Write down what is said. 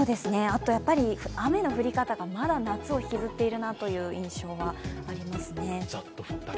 やっぱり、雨の降り方が、まだ夏を引きずってるなという印象はありますね。